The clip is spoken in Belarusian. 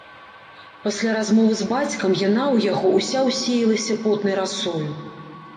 Пасля размовы з бацькам яна ў яго ўся ўсеялася потнаю расою.